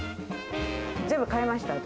全部変えました、私。